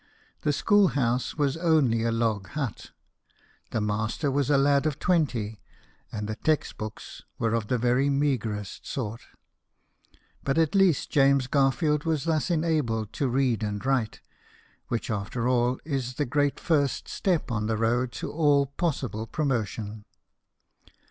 The school house was only a log hut ; the master was a lad of twenty ; and the text books were of the very meagrest sort. But at least James Garfield was thus enabled to read and write, which after all is the great first step JAMES GARFIELD, CANAL BOY. 139 on the road to all possible promotion.